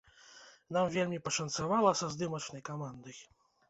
Нам вельмі пашанцавала са здымачнай камандай.